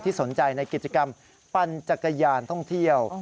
สนใจในกิจกรรมปั่นจักรยานท่องเที่ยว